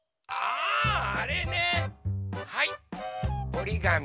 おりがみ。